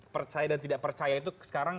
percaya dan tidak percaya itu sekarang